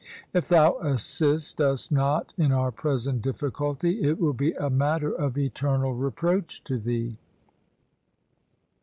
If thou assist us not in our present difficulty, it will be a matter of eternal reproach to thee.'